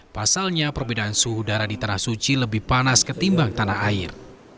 pasalnya perbedaan suhu udara di tanah suci lebih panas ketimbang tanah air